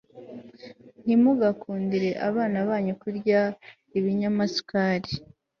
Ntimugakundire abana banyu kurya ibinyamasukari